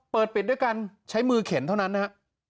ปิดด้วยกันใช้มือเข็นเท่านั้นนะฮะ